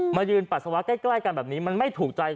มายืนปัสสาวะใกล้กันแบบนี้มันไม่ถูกใจ